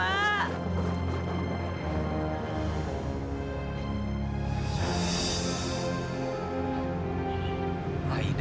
aku sudah berhenti